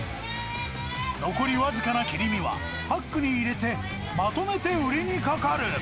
残り僅かな切り身は、パックに入れてまとめて売りにかかる。